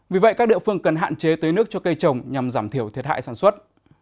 vì vậy các địa phương cần hạn chế tới nước cho cây trồng nhằm giảm thiểu thiệt hại sản xuất